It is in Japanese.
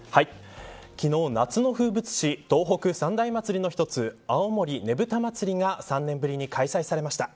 昨日、夏の風物詩東北三大祭りの１つ青森ねぶた祭が３年ぶりに開催されました。